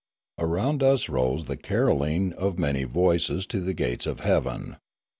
Around us rose the carolling of many voices to the gates of heaven.